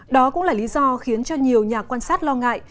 đó cũng là lý do khiến cho nhiều nhà quan sát lo ngại